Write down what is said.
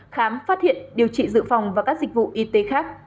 khám phát hiện điều trị dự phòng và các dịch vụ y tế khác